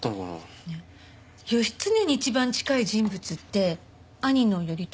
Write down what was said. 義経に一番近い人物って兄の頼朝？